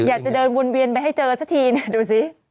อยากจะเดินวนเวียนไปให้เจอเสิร์ฟสักทีดูสิ